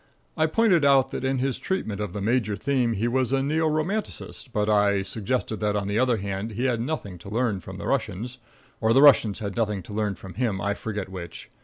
I pointed out that in his treatment of the major theme he was a neo romanticist, but I suggested that, on the other hand, he had nothing to learn from the Russians or the Russians had nothing to learn from him; I forget which.